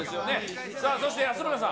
さあ、そして安村さん。